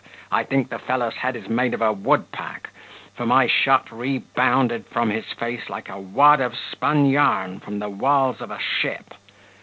I think the fellow's head is made of a wood pack: for my shot rebounded from his face like a wad of spun yarn from the walls of a ship.